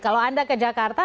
kalau anda ke jakarta